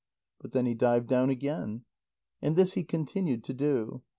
But then he dived down again. And this he continued to do.